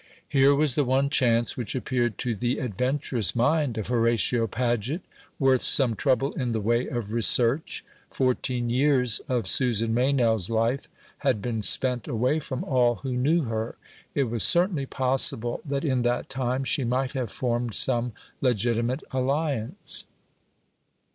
Here was the one chance which appeared to the adventurous mind of Horatio Paget worth some trouble in the way of research. Fourteen years of Susan Meynell's life had been spent away from all who knew her. It was certainly possible that in that time she might have formed some legitimate alliance.